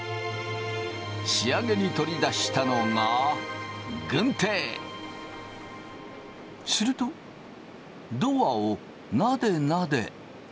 仕上げに取り出したのがするとドアをなでなで。